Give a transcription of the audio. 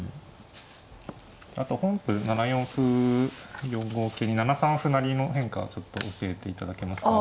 あと本譜７四歩４五桂に７三歩成の変化をちょっと教えていただけますか。